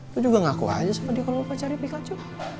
lo juga ngaku aja sama dia kalo pacarnya pikachu